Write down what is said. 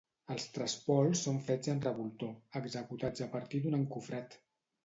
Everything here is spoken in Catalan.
Els trespols són fets amb revoltó, executats a partir d'un encofrat.